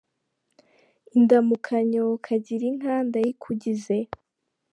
Indamukanyo Kagira inka Ndayikugize